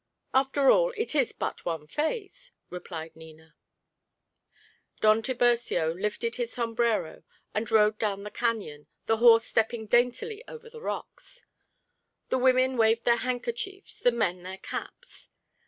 "After all, it is but one phase," replied Nina. Don Tiburcio lifted his sombrero and rode down the cañon, the horse stepping daintily over the rocks. The women waved their handkerchiefs, the men their caps.